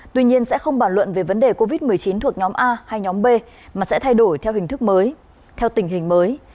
tuy nhiên sẽ không bàn luận về vấn đề covid một mươi chín thuộc nhóm a hay nhóm b mà sẽ thay đổi theo hình thức mới theo tình hình mới